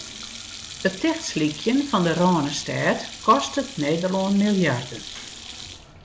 It tichtslykjen fan de Rânestêd kostet Nederlân miljarden.